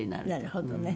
なるほどね。